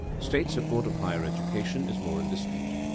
State support of higher education is more in dispute.